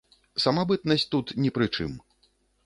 Самабытнасць тут не пры чым.